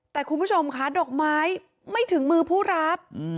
แต่คุณผู้ชมค่ะดอกไม้ไม่ถึงมือผู้รับ